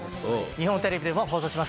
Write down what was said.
日本テレビでも放送します。